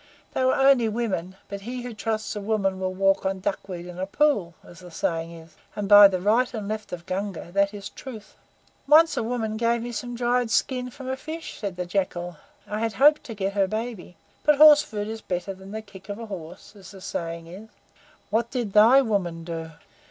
They were only women, but he who trusts a woman will walk on duckweed in a pool, as the saying is: and by the Right and Left of Gunga, that is truth!" "Once a woman gave me some dried skin from a fish," said the Jackal. "I had hoped to get her baby, but horse food is better than the kick of a horse, as the saying is. What did thy woman do?"